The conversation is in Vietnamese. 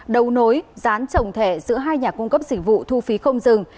đầu nối gián trồng thẻ giữa hai nhà cung cấp dịch vụ thu phí không dừng